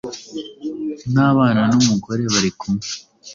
n'abana n'umugore bari kumwe